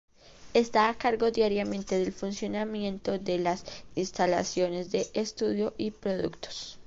Está a cargo diariamente del funcionamiento de las instalaciones de estudio y productos.